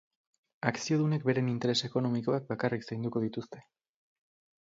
Akziodunek beren interes ekonomikoak bakarrik zainduko dituzte.